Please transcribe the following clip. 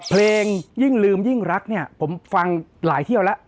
เพลงยิ่งลืมยิ่งรักนี่ผมฟังหลายที่เอาแล้ว